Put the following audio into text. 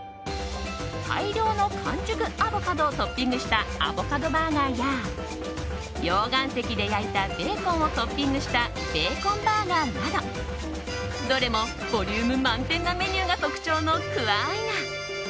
大量の完熟アボカドをトッピングしたアボカドバーガーや溶岩石で焼いたベーコンをトッピングしたベーコンバーガーなどどれもボリューム満点なメニューが特徴のクア・アイナ。